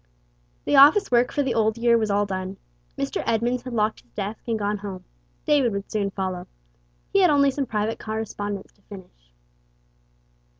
THE office work for the old year was all done. Mr. Edmunds had locked his desk and gone home. David would soon follow. He had only some private correspondence to finish.